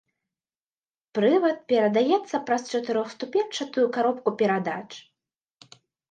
Прывад перадаецца праз чатырохступеньчатую каробку перадач.